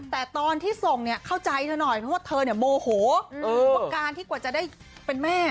แต่ตอนที่ส่งเนี่ยเข้าใจเธอหน่อยเพราะว่าเธอเนี่ยโมโหว่าการที่กว่าจะได้เป็นแม่